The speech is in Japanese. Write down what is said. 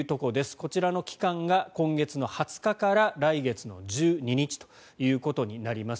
こちらの期間が今月の２０日から来月の１２日ということになります。